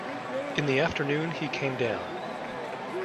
In the afternoon he came down.